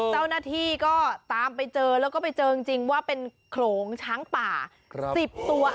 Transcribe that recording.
เจ้าหน้าที่ก็ตามไปเจอแล้วก็ไปเจอจริงว่าเป็นโขลงช้างป่า๑๐ตัว